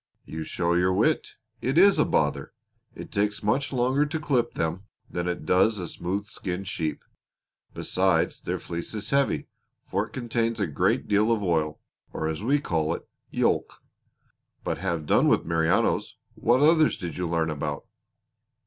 "You show your wit it is a bother. It takes much longer to clip them than it does a smooth skinned sheep. Besides, their fleece is heavy, for it contains a great deal of oil or as we call it, yolk. But have done with Merinos. What others did you learn about?"